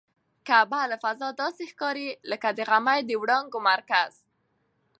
کعبه له فضا داسې ښکاري لکه د غمي د وړانګو مرکز.